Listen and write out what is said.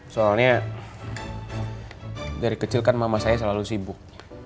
soalnya dari kecil kan mama saya selalu sibuk